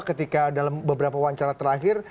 ketika dalam beberapa wawancara terakhir